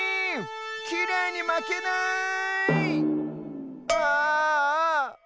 きれいにまけない！ああ。